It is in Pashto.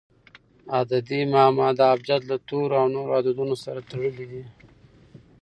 عددي معما د ابجد له تورو او نورو عددونو سره تړلي دي.